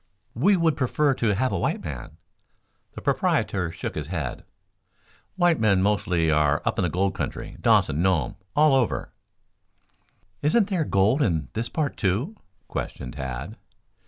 "We would prefer to have a white man." The proprietor shook his head. "White men mostly are up in the gold country, Dawson, Nome, all over." "Isn't there gold in this part, too?" questioned Tad.